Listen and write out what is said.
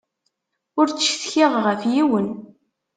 Ur ttcetkiɣ ɣef yiwen.